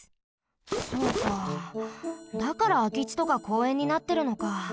そうかだからあきちとかこうえんになってるのか。